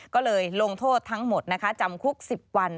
ก็เลยลงโทษทั้งหมดนะคะจำคุก๑๐วัน